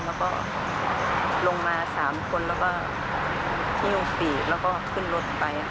แล้วก็ลงมา๓คนแล้วก็ที่วง๔แล้วก็ขึ้นรถไป